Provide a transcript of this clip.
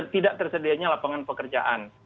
tidak tersedia lapangan pekerjaan